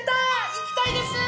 行きたいです！